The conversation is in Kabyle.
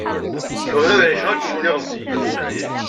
Bɣiɣ ad ɛiceɣ akken lliɣ zik.